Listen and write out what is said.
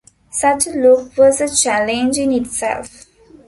Such a look was a challenge in itself.